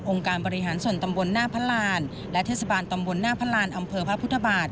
องค์การบริหารส่วนตำบลหน้าพระราณและเทศบาลตำบลหน้าพระราณ